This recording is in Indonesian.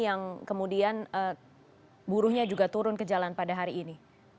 yang kemudian buruhnya juga turun ke jalan pada hari ini